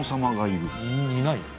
いないよ。